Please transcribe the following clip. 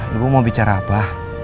ibu mau bicara apa